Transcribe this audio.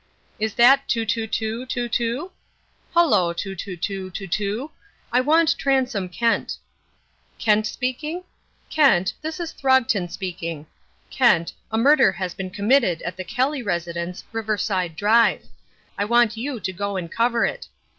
Is that two, two, two, two, two? Hullo, two, two, two, two, two; I want Transome Kent. Kent speaking? Kent, this is Throgton speaking. Kent, a murder has been committed at the Kelly residence, Riverside Drive. I want you to go and cover it.